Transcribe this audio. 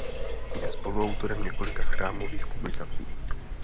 Je spoluautorem několika Chrámových publikací.